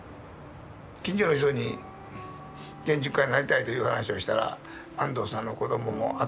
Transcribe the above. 近所の人に建築家になりたいという話をしたら安藤さんの子どもも頭がおかしくなったねと。